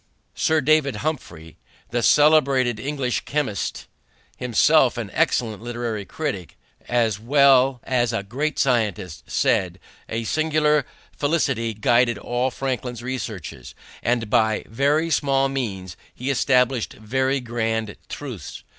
Sir Humphry Davy, the celebrated English chemist, himself an excellent literary critic as well as a great scientist, said: "A singular felicity guided all Franklin's researches, and by very small means he established very grand truths.